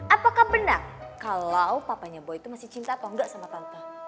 apakah benar kalau papanya boy itu masih cinta atau enggak sama tante